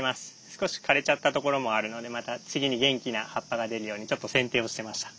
少し枯れちゃったところもあるのでまた次に元気な葉っぱが出るようにちょっと剪定をしてました。